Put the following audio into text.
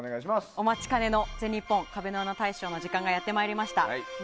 お待ちかねの全日本壁に開いた穴大賞の時間がやってまいりました。